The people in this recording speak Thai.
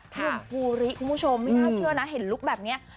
หนุ่มภูริคุณผู้ชมไม่น่าเชื่อนะเห็นลุคแบบนี้